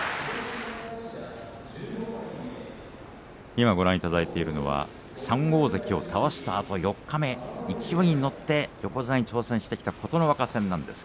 今ご覧いただいているのは３大関を倒したあと四日目勢いに乗って横綱に挑戦してきた琴ノ若戦。